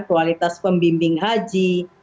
kualitas pembimbing haji